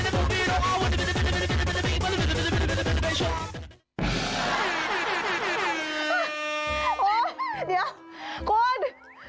เดี๋ยวคุณ